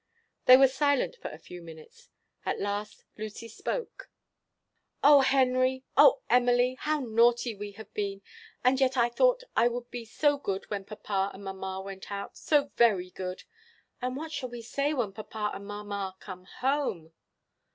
They were silent for a few minutes; at last Lucy spoke: "Oh, Henry! oh, Emily! how naughty we have been! And yet I thought I would be so good when papa and mamma went out; so very good! What shall we say when papa and mamma come home?"